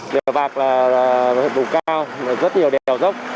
mèo vạc là một hợp đủ cao rất nhiều đèo rốc